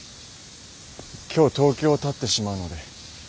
今日東京をたってしまうので。